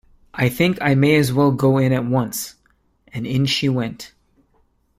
‘I think I may as well go in at once.’ And in she went.